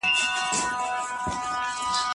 هغه څوک چي وخت تېروي منظم وي؟!